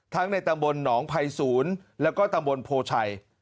ในตำบลหนองภัยศูนย์แล้วก็ตำบลโพชัย